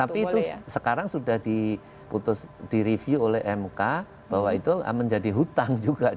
tapi itu sekarang sudah diputus direview oleh mk bahwa itu menjadi hutang juga